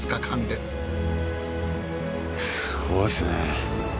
すごいっすね。